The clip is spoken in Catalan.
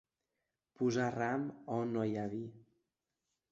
Posar ram a on no hi ha vi.